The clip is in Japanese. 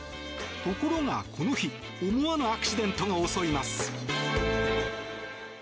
ところが、この日思わぬアクシデントが襲います。